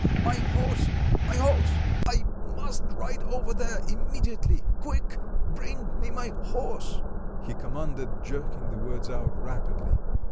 "My horse! my horse! I must ride over there im mediately; quick — bring me my horse," he commanded, jerking the words out rapidly.